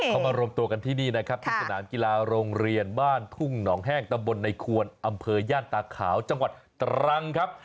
เขามารวมตัวกันที่นี่นะครับที่สนามกีฬาโรงเรียนบ้านทุ่งหนองแห้งตำบลในควรอำเภอย่านตาขาวจังหวัดตรังครับ